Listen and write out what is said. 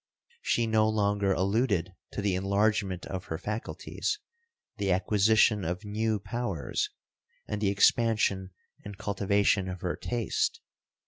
She no longer alluded to the enlargement of her faculties, the acquisition of new powers, and the expansion and cultivation of her taste.